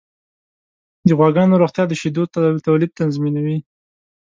د غواګانو روغتیا د شیدو تولید تضمینوي.